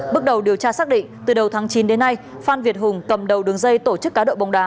bước đầu điều tra xác định từ đầu tháng chín đến nay phan việt hùng cầm đầu đường dây tổ chức cá độ bóng đá